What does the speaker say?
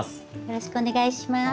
よろしくお願いします。